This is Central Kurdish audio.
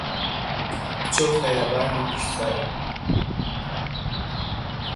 بچۆ خەیابانی پشت سەرا